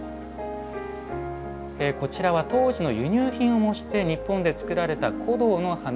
こちらは当時の輸入品を模して日本で作られた古銅の花入です。